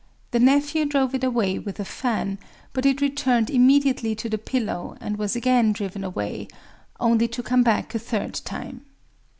The nephew drove it away with a fan; but it returned immediately to the pillow, and was again driven away, only to come back a third time.